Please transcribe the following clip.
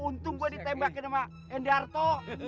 untung gue ditembakin sama endarto